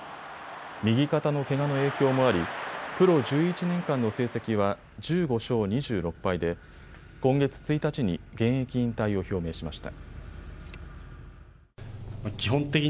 右肩のけがの影響もあり、プロ１１年間の成績は１５勝２６敗で今月１日に現役引退を表明しました。